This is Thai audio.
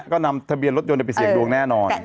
ก็นำทะเบียนรถยนต์ไปเสี่ยงดวงแน่นอน